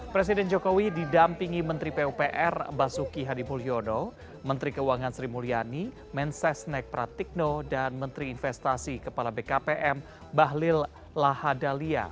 presiden jokowi didampingi menteri pupr basuki hadimulyono menteri keuangan sri mulyani mensesnek pratikno dan menteri investasi kepala bkpm bahlil lahadalia